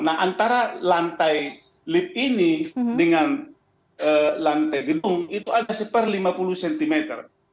nah antara lantai lift ini dengan lantai gedung itu ada seperlima puluh sentimeter